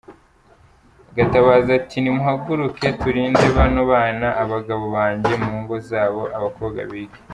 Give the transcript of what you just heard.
Gatabazi ati "Nimuhaguruke turinde bano bana, abagabo bajye mu ngo zabo abakobwa bige.